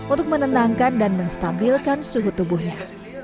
untuk menenangkan dan menstabilkan suhu tubuhnya